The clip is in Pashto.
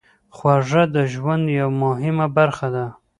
خوږه د ژوند یوه مهمه برخه ده.